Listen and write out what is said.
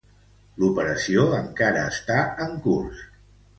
L'operació encara està en curs.